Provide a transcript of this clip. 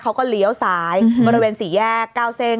เขาก็เลี้ยวซ้ายบริเวณสี่แยกเก่าเส้น